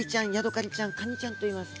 カニちゃんといます。